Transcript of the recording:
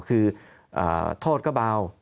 คือโทษก็เบา